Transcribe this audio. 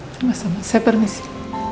sama sama saya permisi